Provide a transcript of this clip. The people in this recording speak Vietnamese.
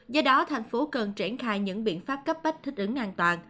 do đó thành phố cần triển khai những biện pháp cấp bách thích ứng an toàn